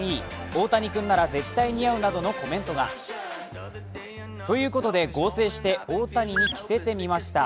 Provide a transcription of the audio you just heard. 大谷君なら絶対似合うなどのコメントが。ということで、合成して大谷に着せてみました。